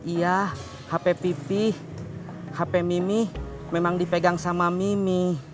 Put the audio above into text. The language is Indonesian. iya hp pipih hp mimi memang dipegang sama mimi